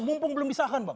mumpung belum disahkan bang